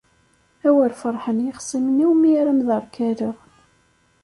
Awer ferḥen yixṣimen-iw mi ara mderkaleɣ.